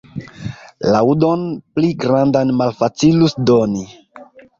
Laŭdon pli grandan malfacilus doni.